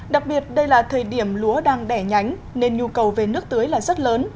đặc biệt đây là thời điểm lúa đang đẻ nhánh nên nhu cầu về nước tưới là rất lớn